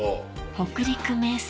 北陸名産